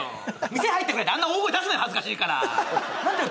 店入ったぐらいであんな大声出すなよ恥ずかしいから何だよ